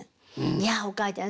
「いやお母ちゃん